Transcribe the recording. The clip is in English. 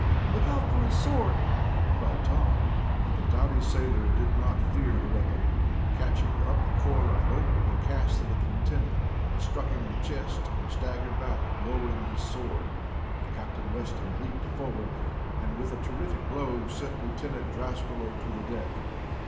"Look out for his sword!" cried Tom. But the doughty sailor did not fear the weapon. Catching up a coil of rope, he cast it at the lieutenant. It struck him in the chest, and he staggered back, lowering his sword. Captain Weston leaped forward, and with a terrific blow sent Lieutenant Drascalo to the deck.